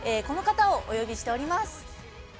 この方をお呼びしております。